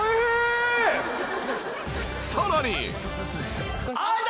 さらに。